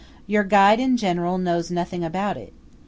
Your guide in general knows nothing about it.